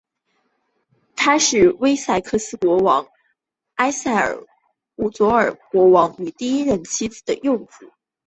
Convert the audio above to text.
他是威塞克斯王国埃塞尔伍尔夫国王与第一任妻子奥斯博嘉的幼子。